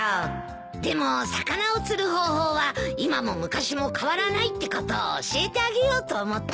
でも魚を釣る方法は今も昔も変わらないってことを教えてあげようと思って。